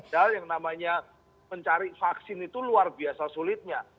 padahal yang namanya mencari vaksin itu luar biasa sulitnya